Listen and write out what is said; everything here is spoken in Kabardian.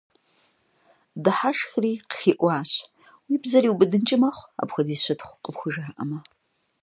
Дыхьэшхри, къыхиӀуащ: – Уи бзэр иубыдынкӀи мэхъу, апхуэдиз щытхъу къыпхужаӀэмэ.